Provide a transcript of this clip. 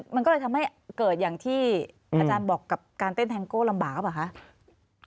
มันก็เลยทำให้เกิดอย่างที่อาจารย์บอกกับการเต้นแทงโก้ลำบากหรือเปล่าคะ